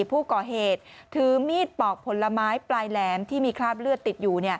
ผู้ก่อเหตุถือมีดปอกผลไม้ปลายแหลมที่มีคราบเลือดติดอยู่